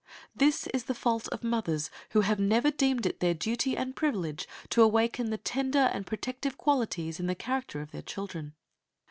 This is the fault of mothers who have never deemed it their duty and privilege to awaken the tender and protective qualities in the character of their children.